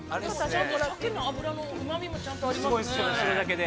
◆ちゃんとシャケの脂のうまみもちゃんとありますね。